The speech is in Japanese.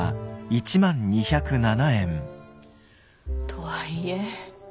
とはいえ